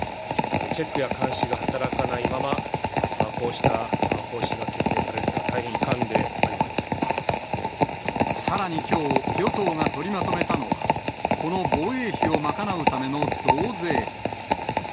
チェックや監視が働かないまま、こうした方針が決定されるっていさらにきょう、与党が取りまとめたのは、この防衛費を賄うための増税。